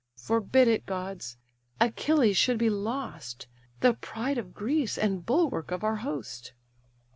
Forbid it, gods! Achilles should be lost, The pride of Greece, and bulwark of our host."